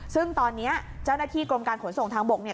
ซึ่งตอนนี้เจ้าหน้าที่กรมการขนส่งทางบกเนี่ย